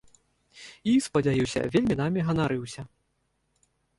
І, спадзяюся, вельмі намі ганарыўся.